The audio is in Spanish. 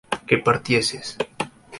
que partieses